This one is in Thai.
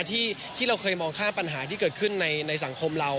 ที่เราเคยมองข้ามปัญหาที่เกิดขึ้นในสังคมเรา